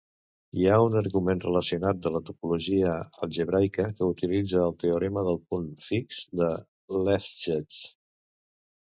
Hi ha un argument relacionat de la topologia algebraica que utilitza el teorema del punt fix de Lefschetz.